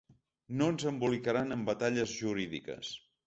No ens embolicaran en batalles jurídiques.